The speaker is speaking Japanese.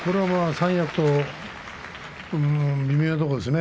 三役と微妙なとこですね。